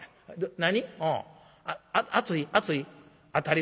何？